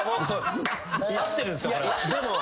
合ってるんすか？